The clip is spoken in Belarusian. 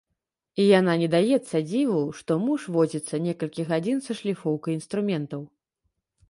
І яна не даецца дзіву, што муж возіцца некалькі гадзін са шліфоўкай інструментаў.